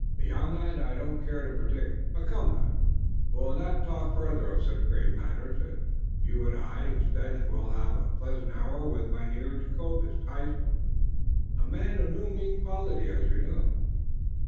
Beyond that I don't care to predict. But come, lad, we'll not talk further of such grave matters, you and I. Instead we'll have a pleasant hour with Mynheer Jacobus Huysman, a man of no mean quality, as you know."